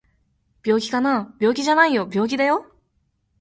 病気かな？病気じゃないよ病気だよ